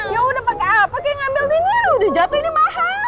ya udah pake apa yang ambil ini udah jatuh ini mahal